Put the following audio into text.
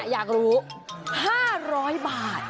เนี่ยอยากรู้๕๐๐บาท